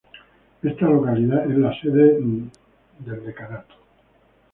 Esta localidad es la sede del obispado.